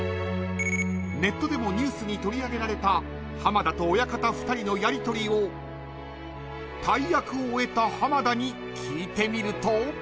［ネットでもニュースに取り上げられた浜田と親方２人のやりとりを大役を終えた浜田に聞いてみると］